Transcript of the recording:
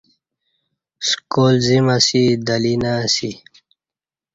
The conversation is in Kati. سکال زیم اسی دہ لی نہ اسی